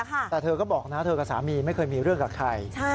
แต่เธอก็บอกนะเธอกับสามีไม่เคยมีเรื่องกับใคร